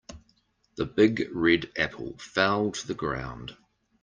The big red apple fell to the ground.